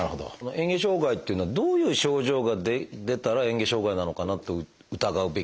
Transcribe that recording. えん下障害っていうのはどういう症状が出たらえん下障害なのかなと疑うべきなのかなってことなんですが。